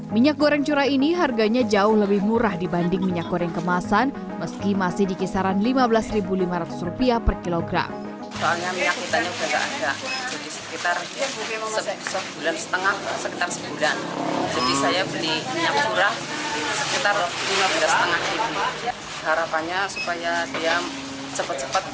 minyak goreng curah ini harganya jauh lebih murah dibanding minyak goreng kemasan meski masih di kisaran rp lima belas lima ratus per kilogram